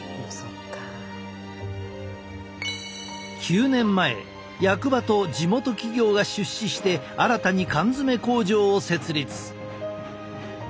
９年前役場と地元企業が出資して新たに缶詰工場を設立。